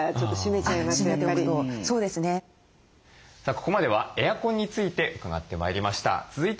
ここまではエアコンについて伺ってまいりました。